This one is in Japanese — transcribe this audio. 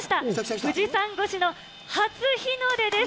富士山越しの初日の出です。